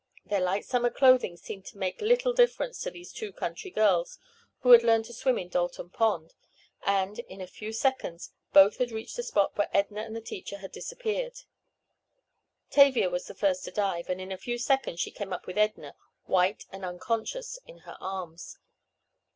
Their light summer clothing seemed to make little difference to these two country girls, who had learned to swim in Dalton pond, and, in a few seconds, both had reached the spot where Edna and the teacher had disappeared. Tavia was the first to dive, and, in a few seconds she came up with Edna, white and unconscious, in her arms.